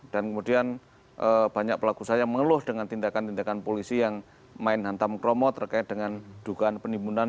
dan kemudian banyak pelaku usaha yang mengeluh dengan tindakan tindakan polisi yang main hantam kromo terkait dengan dugaan penimbunan